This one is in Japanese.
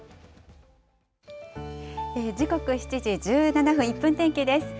時刻、７時１７分、１分天気です。